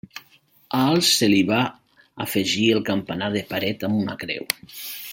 Al se li va afegir el campanar de paret amb una creu.